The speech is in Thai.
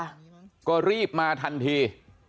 ก็รีบมาทันที